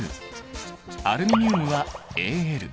アルミニウムはＡｌ。